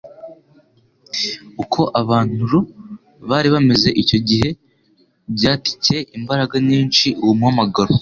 Uko abantul bari bameze icyo gihe byatcye imbaraga nyinshi uwo muhamagaro.